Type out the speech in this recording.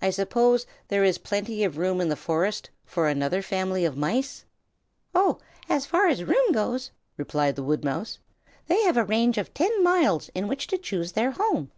I suppose there is plenty of room in the forest for another family of mice?" "Oh! as far as room goes," replied the woodmouse, "they have a range of ten miles in which to choose their home.